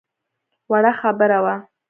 وړه خبره وه.